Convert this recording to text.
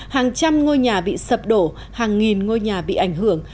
hàng trăm ngôi nhà bị sập đổ hàng nghìn ngôi nhà bị ảnh hưởng